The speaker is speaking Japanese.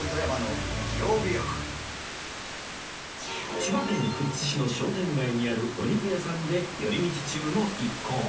千葉県富津市の商店街にあるお肉屋さんで寄り道中の一行